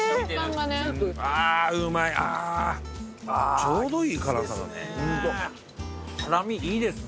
ちょうどいい辛さだね。